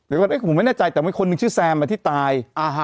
เดี๋ยวก็ไม่เนื่องใจแต่มีคนนึงชื่อแซมอ่ะที่ตาย